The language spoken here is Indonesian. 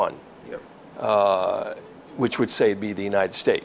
yang saya pikirkan adalah amerika serikat